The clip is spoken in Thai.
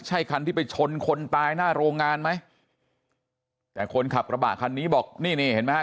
ใช่คันที่ไปชนคนตายหน้าโรงงานไหมแต่คนขับกระบะคันนี้บอกนี่นี่เห็นไหมฮะ